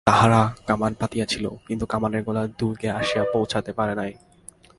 তাহারা কামান পাতিয়াছিল, কিন্তু কামানের গোলা দুর্গে আসিয়া পৌঁছিতে পারে নাই।